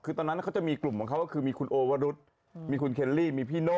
คือตอนนั้นเขาจะมีกลุ่มของเขาก็คือมีคุณโอวรุษมีคุณเคลลี่มีพี่โน่